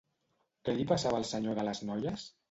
Què li passava al senyor de les noies?